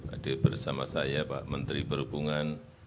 adil bersama saya pak menteri berhubungan